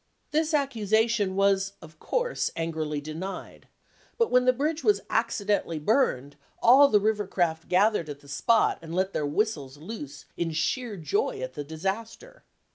This accusation was, of course, angrily denied; but when the bridge was accidentally burned, all the river craft gathered at the spot and let their whistles loose in sheer joy at the disaster.